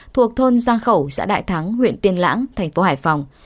thuộc thôn giang khẩu xã đại thắng huyện tiên lãng thành phố hải phòng